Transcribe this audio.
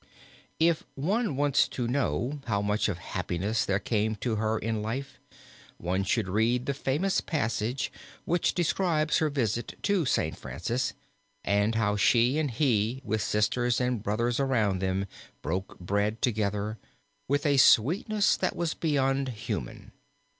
If one wants to know how much of happiness there came to her in life one should read the famous passage which describes her visit to St. Francis, and how she and he with sisters and brothers around them broke bread together, with a sweetness that was beyond human.